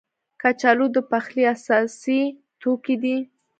کچالو د پخلي اساسي توکي دي